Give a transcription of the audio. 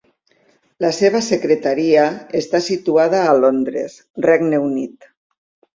La seva secretaria està situada a Londres, Regne Unit.